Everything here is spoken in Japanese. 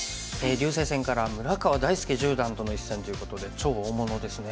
竜星戦から村川大介十段との一戦ということで超大物ですね。